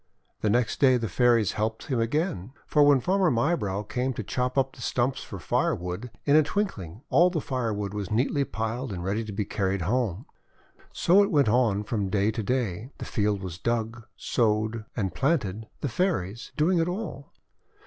The next day the Fairies helped him again. For when Farmer Mybrow came to chop up the stumps for firewood, in a twinkling all the fire wood was neatly piled and ready to be carried home. So it went on from day to day. The field was dug, sowed, and planted, the Fairies doing it all.